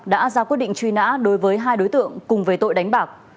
đã ra quyết định truy nã đối với hai đối tượng cùng về tội đánh bạc